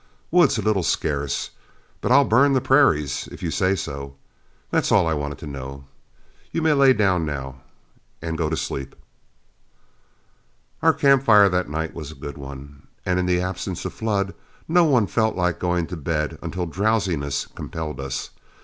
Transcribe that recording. Wood's a little scarce, but I'll burn the prairies if you say so. That's all I wanted to know; you may lay down now and go to sleep." Our camp fire that night was a good one, and in the absence of Flood, no one felt like going to bed until drowsiness compelled us.